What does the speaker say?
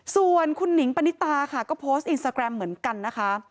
ส่วนคุณหนิงปณิตาค่ะก็โพสต์อินสตาแกรมเหมือนกันนะคะ